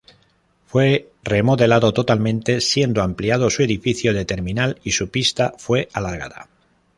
Fue remodelado totalmente, siendo ampliado su edificio de terminal y su pista fue alargada.